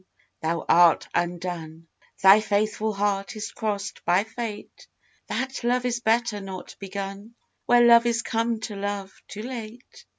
Thou art undone, Thy faithful heart is crossed by fate; That love is better not begun, Where love is come to love too late.